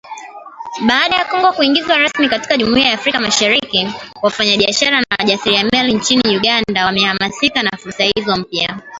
Baada ya Kongo kuingizwa rasmi katika Jumuiya ya Afrika Mashariki, wafanyabiashara na wajasiriamali nchini Uganda wamehamasika na fursa hizo mpya.